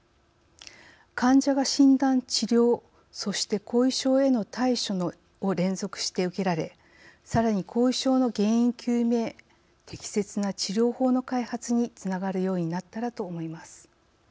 患者が診断・治療そして後遺症への対処を連続して受けられさらに後遺症の原因究明適切な治療法の開発につながるようになったらと思います。